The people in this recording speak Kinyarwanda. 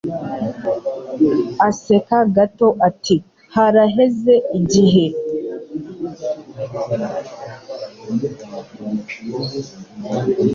Aseka gato ati: "Haraheze igihe".